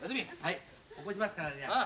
起こしますからねじゃあ。